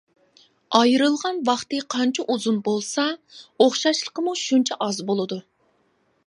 ئايرىلغان ۋاقتى قانچە ئۇزۇن بولسا، ئوخشاشلىقىمۇ شۇنچە ئاز بولىدۇ.